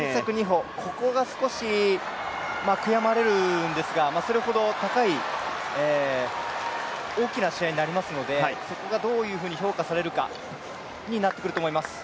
ここが少し悔やまれるんですがそれほど高い大きな試合になりますのでそこがどういうふうに評価されるかになってくると思います。